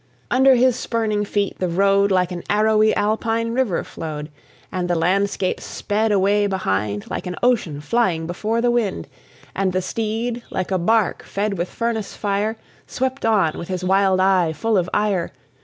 Under his spurning feet the road Like an arrowy Alpine river flowed, And the landscape sped away behind Like an ocean flying before the wind. And the steed, like a bark fed with furnace fire, Swept on, with his wild eye full of ire.